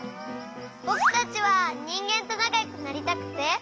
ぼくたちはにんげんとなかよくなりたくて。